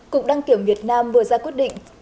cục đăng kiểm việt nam vừa ra quyết định